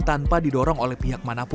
dan juga kebutuhan dari ganjar pranowo